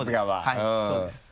はいそうです。